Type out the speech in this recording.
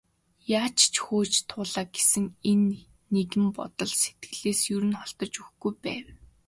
Яаж ч хөөж туулаа гэсэн энэ нэгэн бодол сэтгэлээс нь ер холдож өгөхгүй байв.